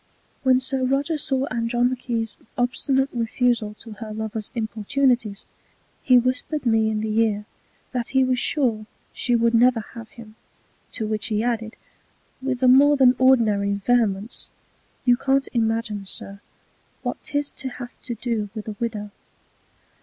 When Sir Roger saw Andromache's obstinate Refusal to her Lover's importunities, he whisper'd me in the Ear, that he was sure she would never have him; to which he added, with a more than ordinary Vehemence, You can't imagine, Sir, what 'tis to have to do with a Widow.